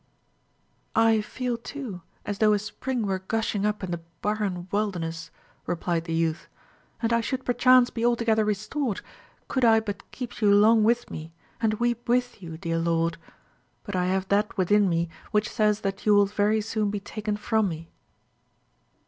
"I feel, too, as though a spring were gushing up in the barren wilderness," replied the youth; "and I should perchance be altogether restored, could I but keep you long with me, and weep with you, dear lord. But I have that within me which says that you will very soon be taken from me."